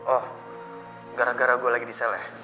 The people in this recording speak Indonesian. oh gara gara gue lagi di seleh